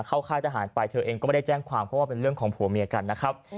ค่ายทหารไปเธอเองก็ไม่ได้แจ้งความเพราะว่าเป็นเรื่องของผัวเมียกันนะครับ